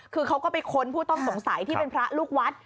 คือเขาก็ไปค้นผู้ต้องสงสัยที่เป็นพระลูกวัด